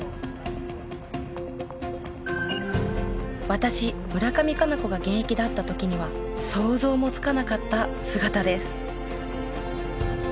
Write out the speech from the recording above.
私村上佳菜子が現役だった時には想像もつかなかった姿です。